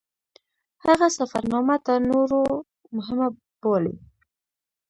هغه سفرنامه تر نورو مهمه بولي.